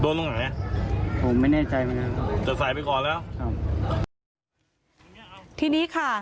โดนตรงไหนผมไม่แน่ใจจะใส่ไปก่อนแล้วครับทีนี้ค่ะ